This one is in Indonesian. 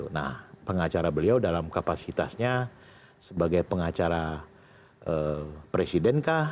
nah pengacara beliau dalam kapasitasnya sebagai pengacara presiden kah